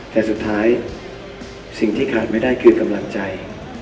แต่สุดท้ายสิ่งที่ขาดไม่ได้คือกำลังใจ